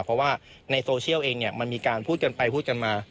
เพราะว่าในโซเชียลเองมันมีการพูดกันไปพูดกันมา